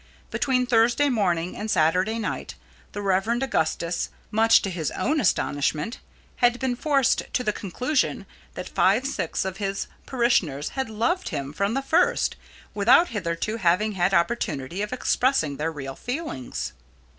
Between Thursday morning and Saturday night the Rev. Augustus, much to his own astonishment, had been forced to the conclusion that five sixths of his parishioners had loved him from the first without hitherto having had opportunity of expressing their real feelings.